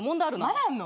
まだあんの？